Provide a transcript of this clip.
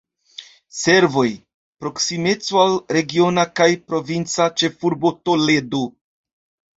Servoj: proksimeco al regiona kaj provinca ĉefurbo Toledo.